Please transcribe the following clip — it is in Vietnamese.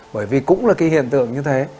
bởi vì cũng là cái hiện tượng như thế